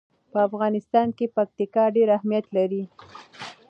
په افغانستان کې پکتیکا ډېر اهمیت لري.